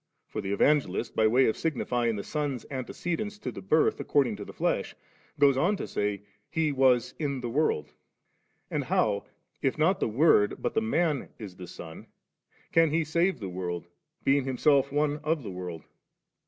for the Evangelbt, by way of signifying the Son's ante cedence to the birth according to the flesh, goes on to say, * He was in the world.' And how, if not the Word but the Man is the Son, can He save the world, being Himself one of the world